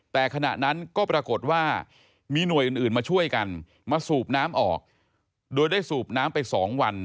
แต่ขณะนั้นก็ปรากฏว่ามีหน่วยอื่นมาช่วยกันมาสูบน้ำออกโดยได้สูบน้ำไป๒วัน